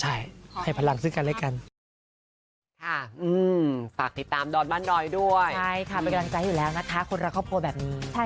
ให้พลังด้วยกันใช่ให้พลังซึ่งกันด้วยกัน